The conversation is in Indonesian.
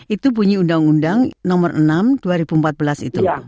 itu bunyi undang undang nomor enam dua ribu empat belas itu